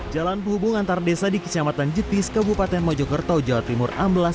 jalan perhubungan tardesa di kisah matan jepis kabupaten mojokerto jawa timur ambelas